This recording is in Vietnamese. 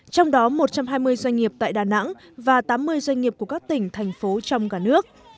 trong đó một trăm hai mươi doanh nghiệp tại đà nẵng và tám mươi doanh nghiệp của các tỉnh thành phố trong cả nước